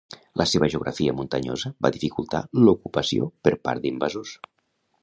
La seva geografia muntanyosa va dificultar l'ocupació per part d'invasors.